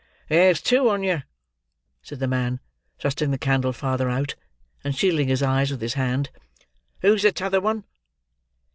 "There's two on you," said the man, thrusting the candle farther out, and shielding his eyes with his hand. "Who's the t'other one?"